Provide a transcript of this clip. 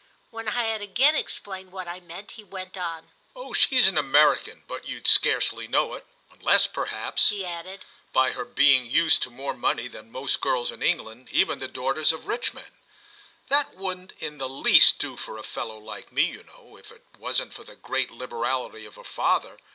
When I had again explained what I meant he went on: "Oh she's an American, but you'd scarcely know it; unless, perhaps," he added, "by her being used to more money than most girls in England, even the daughters of rich men. That wouldn't in the least do for a fellow like me, you know, if it wasn't for the great liberality of her father.